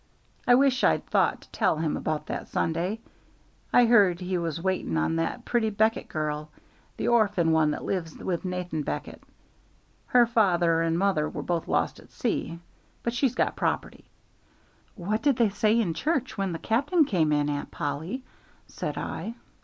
I wish I'd thought to tell him about that Sunday. I heard he was waiting on that pretty Becket girl, the orphan one that lives with Nathan Becket. Her father and mother was both lost at sea, but she's got property." "What did they say in church when the captain came in, Aunt Polly?" said I.